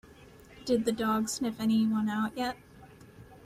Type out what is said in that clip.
Did the dog sniff anyone out yet?